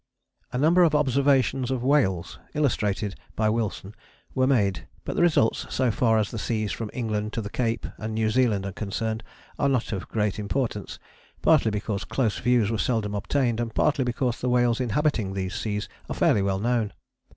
A number of observations of whales, illustrated by Wilson, were made, but the results so far as the seas from England to the Cape and New Zealand are concerned, are not of great importance, partly because close views were seldom obtained, and partly because the whales inhabiting these seas are fairly well known.